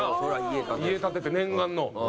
家建てて念願の。